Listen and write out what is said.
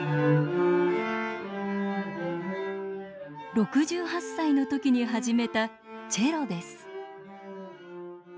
６８歳の時に始めたチェロです。